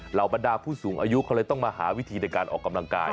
เหล่าบรรดาผู้สูงอายุเขาเลยต้องมาหาวิธีในการออกกำลังกาย